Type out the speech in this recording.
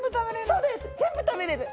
全部食べれんの？